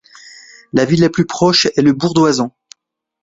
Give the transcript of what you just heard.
La ville la plus proche est Le Bourg-d'Oisans.